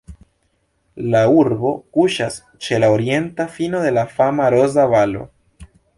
La urbo kuŝas ĉe la orienta fino de la fama Roza Valo.